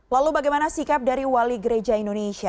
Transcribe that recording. lalu bagaimana sikap dari wali gereja indonesia